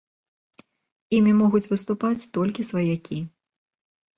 Імі могуць выступаць толькі сваякі.